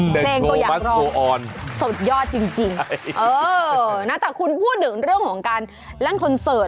เพลงตัวอย่างรองสุดยอดจริงเออนะแต่คุณพูดถึงเรื่องของการเล่นคอนเสิร์ต